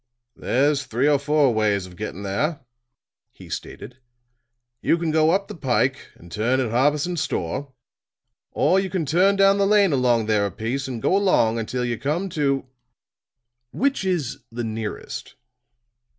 "There's three or four ways of getting there," he stated. "You can go up the pike and turn at Harbison's store; or you can turn down the lane along there a piece and go along until you come to " "Which is the nearest?"